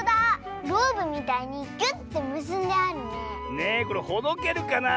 ねえこれほどけるかなあ。